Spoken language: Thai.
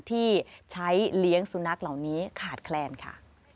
ที่ใช้เลี้ยงสุนัขเหล่านี้ขาดแคลนค่ะ